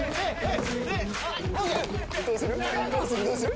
どうする？